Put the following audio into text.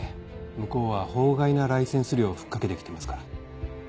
向こうは法外なライセンス料を吹っかけてきてますから。